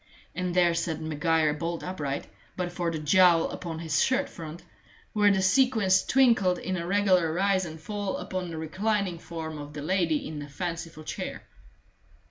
And there sat Maguire bolt upright, but for the jowl upon his shirt front, while the sequins twinkled in a regular rise and fall upon the reclining form of the lady in the fanciful chair.